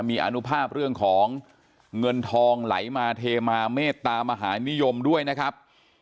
มีอนุภาพเรื่องของเงินทองไหลมาเทมาเมตตามหานิยมด้วยนะครับ